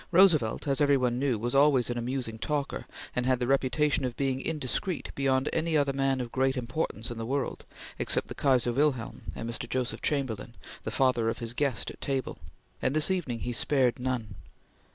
Roosevelt, as every one knew, was always an amusing talker, and had the reputation of being indiscreet beyond any other man of great importance in the world, except the Kaiser Wilhelm and Mr. Joseph Chamberlain, the father of his guest at table; and this evening he spared none.